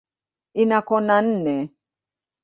Ina kona nne.